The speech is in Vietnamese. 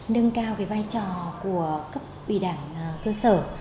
nâng cao vai trò của cấp ủy đảng cơ sở